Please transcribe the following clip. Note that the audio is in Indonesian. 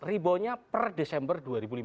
reboundnya per desember dua ribu lima belas